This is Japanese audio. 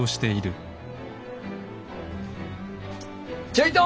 ちょいと！